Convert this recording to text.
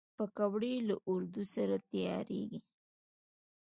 پکورې له آردو سره تیارېږي